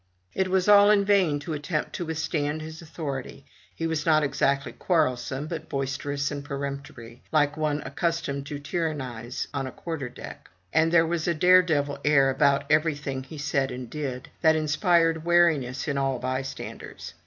It was all in vain to attempt to withstand his authority. He was not exactly quarrel some, but boisterous and peremptory, like one accustomed to tyrannize on a quarterdeck; and there was a dare devil air about everything he said and did, that inspired wariness in all bystand ers.